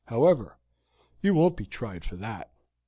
However, you won't be tried for that.